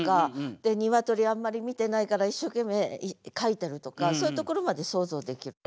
で鶏あんまり見てないから一生懸命描いてるとかそういうところまで想像できる。